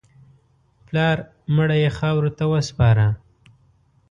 پلار مړی یې خاورو ته وسپاره.